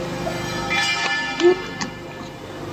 谢其文广播电视科毕业。